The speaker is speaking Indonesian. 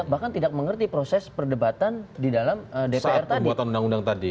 bahkan tidak mengerti proses perdebatan di dalam dpr tadi